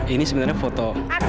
ini sebenarnya foto